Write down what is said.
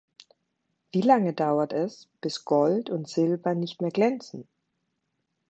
Wie lange dauert es, bis Gold und Silber nicht mehr glänzen?